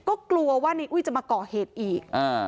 ก็กลัวว่าในอุ้ยจะมาก่อเหตุอีก